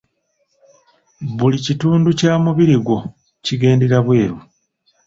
Buli kitundu kya mubiri gwo kigendera bwelu.